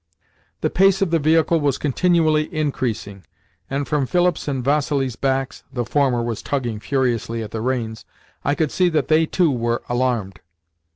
The pace of the vehicle was continually increasing, and from Philip's and Vassili's backs (the former was tugging furiously at the reins) I could see that they too were alarmed.